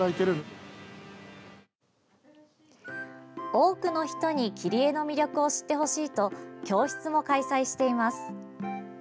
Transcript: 多くの人に木り絵の魅力を知ってほしいと教室も開催しています。